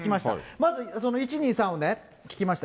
まず１、２、３をね、聞きました。